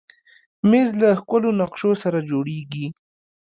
مېز له ښکلو نقشو سره جوړېږي.